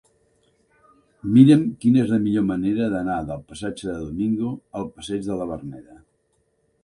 Mira'm quina és la millor manera d'anar del passatge de Domingo al passeig de la Verneda.